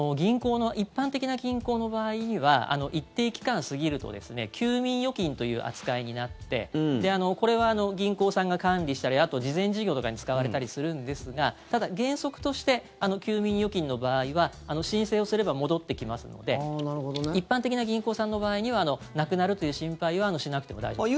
一般的な銀行の場合には一定期間過ぎると休眠預金という扱いになってこれは銀行さんが管理したりあと、慈善事業とかに使われたりするんですがただ、原則として休眠預金の場合は申請をすれば戻ってきますので一般的な銀行さんの場合にはなくなるという心配はしなくても大丈夫です。